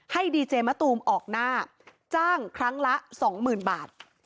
ให้ดีเจมะตูมออกหน้าจ้างครั้งละสองหมื่นบาท